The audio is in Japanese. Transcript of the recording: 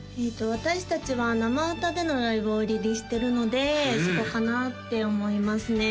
私達は生歌でのライブを売りにしてるのでそこかなって思いますね